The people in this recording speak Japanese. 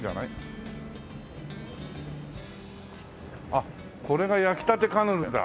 あっこれが焼きたてカヌレだ。